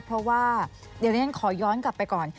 เพราะว่าเดี๋ยวนี้ฉันขอย้อนกลับไปก่อน